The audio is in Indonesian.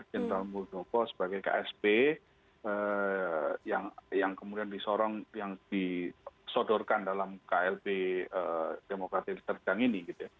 jenderal muldoko sebagai ksp yang kemudian disodorkan dalam klb demokrati deli serdang ini